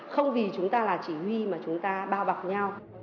không vì chúng ta là chỉ huy mà chúng ta bao bọc nhau